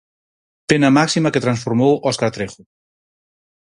Pena máxima que transformou Óscar Trejo.